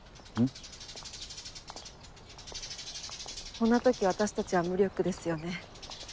こんな時私たちは無力ですよね。